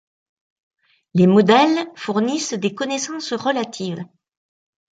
Les modèles fournissent des connaissances relatives.